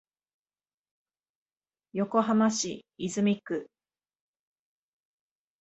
横浜市泉区